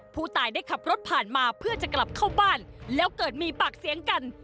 ผู้ตายได้ขับรถผ่านมาเพื่อจะกลับเข้าบ้านแล้วเกิดมีปากเสียงกัน